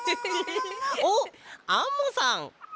おっアンモさん！